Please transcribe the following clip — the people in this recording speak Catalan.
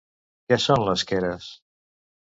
Què són les Keres?